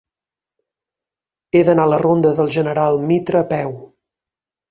He d'anar a la ronda del General Mitre a peu.